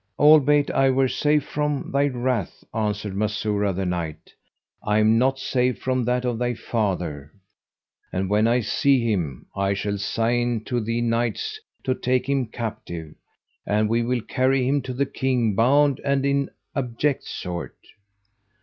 "Albeit I were safe from thy wrath," answered Masurah the Knight, "I am not safe from that of thy father, and when I see him, I shall sign to the Knights to take him captive, and we will carry him to the King bound and in abject sort."